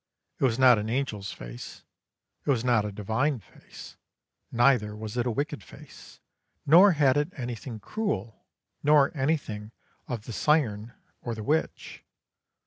It was not an angel's face; it was not a divine face; neither was it a wicked face, nor had it anything cruel, nor anything of the siren or the witch.